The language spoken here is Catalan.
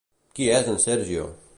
Qui és en Sergio?